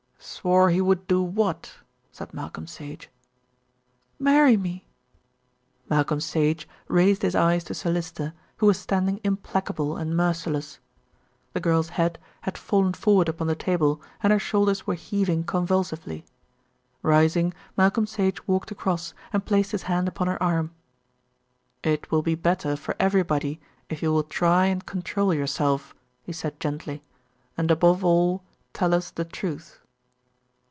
"Swore he would do what?" said Malcolm Sage. "Marry me." Malcolm Sage raised his eyes to Sir Lyster, who was standing implacable and merciless. The girl's head had fallen forward upon the table, and her shoulders were heaving convulsively. Rising, Malcolm Sage walked across and placed his hand upon her arm. "It will be better for everybody if you will try and control yourself," he said gently, "and above all tell us the truth."